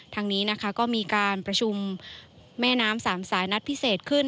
ทางนี้นะคะก็มีการประชุมแม่น้ำสามสายนัดพิเศษขึ้น